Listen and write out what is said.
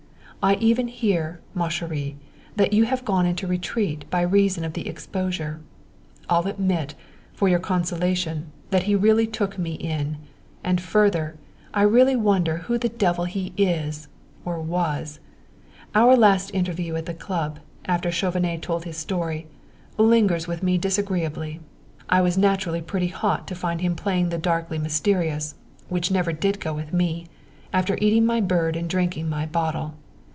I even hear, ma chérie, that you have gone into retreat by reason of the exposure. I'll admit, for your consolation, that he really took me in; and, further, I really wonder who the devil he is, or was! Our last interview at the Club, after Chauvenet told his story, lingers with me disagreeably. I was naturally pretty hot to find him playing the darkly mysterious, which never did go with me, after eating my bird and drinking my bottle.